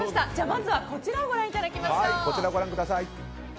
まずは、こちらをご覧いただきましょう。